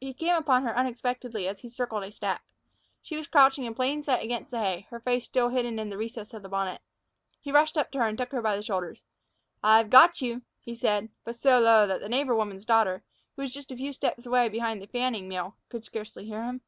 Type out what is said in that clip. He came upon her unexpectedly as he circled a stack. She was crouching in plain sight against the hay, her face still hidden in the recesses of the bonnet. He rushed up to her and took her by the shoulders. "I've got you!" he said, but so low that the neighbor woman's daughter, who was just a few steps away behind a fanning mill, could scarcely hear him.